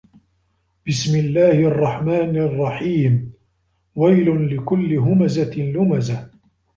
بِسمِ اللَّهِ الرَّحمنِ الرَّحيمِ وَيلٌ لِكُلِّ هُمَزَةٍ لُمَزَةٍ